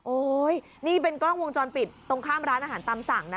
นี่เป็นกล้องวงจรปิดตรงข้ามร้านอาหารตามสั่งนะ